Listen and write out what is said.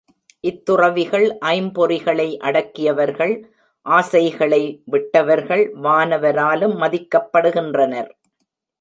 இத்துறவிகள் ஐம்பொறிகளை அடக்கியவர்கள் ஆசைகளை விட்டவர்கள் வானவராலும் மதிக்கப் படுகின்றனர்.